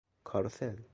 کاروسل